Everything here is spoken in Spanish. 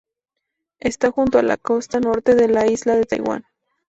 Está junto a la costa norte de la isla de Taiwán.